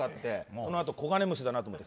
そのあとコガネムシだなと思って。